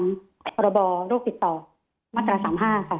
พรบโรคติดต่อมาตรา๓๕ค่ะ